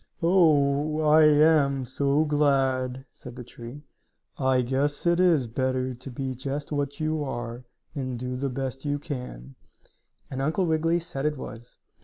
"Oh, I am so glad," said the tree. "I guess it is better to be just what you are, and do the best you can," and Uncle Wiggily said it was.